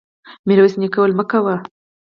ميرويس نيکه وويل: مه کوه!